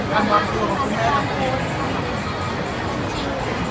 ช่องความหล่อของพี่ต้องการอันนี้นะครับ